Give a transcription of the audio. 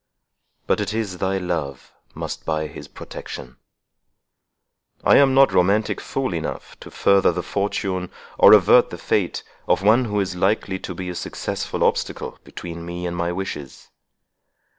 But it is thy love must buy his protection. I am not romantic fool enough to further the fortune, or avert the fate, of one who is likely to be a successful obstacle between me and my wishes.